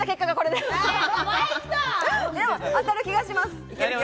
でも当たる気がします。